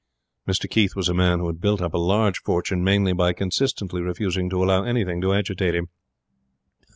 Mr Keith was a man who had built up a large fortune mainly by consistently refusing to allow anything to agitate him.